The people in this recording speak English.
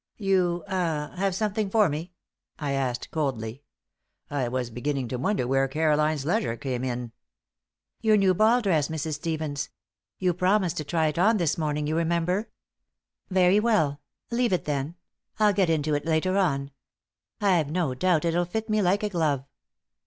"You ah have something for me?" I asked, coldly. I was beginning to wonder where Caroline's leisure came in. "Your new ball dress, Mrs. Stevens. You promised to try it on this morning, you remember." "Very well! Leave it, then. I'll get into it later on. I've no doubt it'll fit me like a glove."